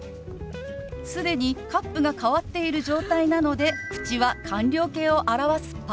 既にカップが変わっている状態なので口は完了形を表す「パ」。